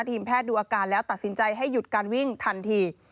ทีมแพทย์ดูอาการแล้วตัดสินใจให้หยุดการวิ่งทันที